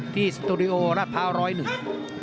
ที่สตูดิโอราดพาร้อยหนึ่ง